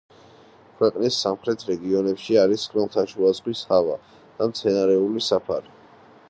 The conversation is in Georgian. ქვეყნის სამხრეთ რეგიონებში არის ხმელთაშუა ზღვის ჰავა და მცენარეული საფარი.